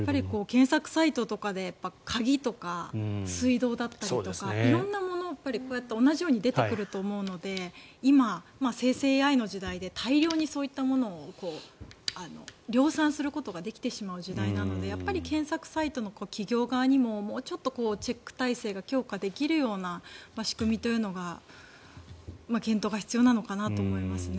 検索サイトとかで鍵とか水道だったりとか色んなものが同じように出てくると思うので今、生成ＡＩの時代で大量にそういうものを量産することができてしまう時代なのでやっぱり検索サイトの企業側にももうちょっとチェック体制が強化できるような仕組みというのが検討が必要なのかなと思いますね。